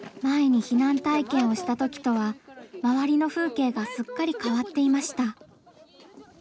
前に避難体験をした時とは周りの風景がすっかり変わっていました。